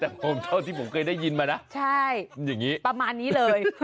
แต่ผมเท่าที่ผมเคยได้ยินมานะใช่อย่างนี้ประมาณนี้เลย